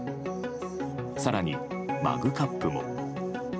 更にマグカップも。